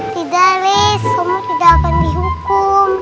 tidak ruis kamu tidak akan dihukum